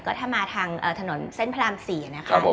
ก็ถ้ามาทางถนนเส้นพลาม๔นะครับ